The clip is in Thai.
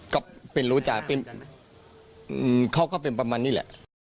ก็เป็นรู้จักเป็นเขาก็เป็นประมาณนี้แหละ